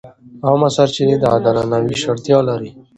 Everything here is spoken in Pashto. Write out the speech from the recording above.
عامه سرچینې د عادلانه وېش اړتیا لري.